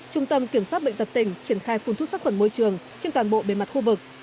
trung tâm kiểm soát bệnh tật tỉnh triển khai phun thuốc sát khuẩn môi trường trên toàn bộ bề mặt khu vực